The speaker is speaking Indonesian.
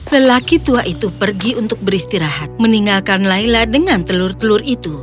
lelaki tua itu pergi untuk beristirahat meninggalkan laila dengan telur telur itu